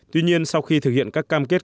tuy nhiên sau khi thực hiện các cam kết